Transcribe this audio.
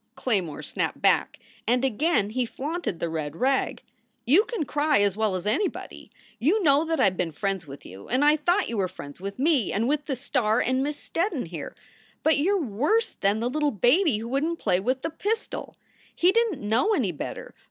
Claymore snapped back, and again he flaunted the red rag. "You can cry as well as anybody. You know that I ve been friends with you, and I thought you were friends with me and with the star and Miss Sted don, here. But you re worse than the little baby who wouldn t play with the pistol. He didn t know any better.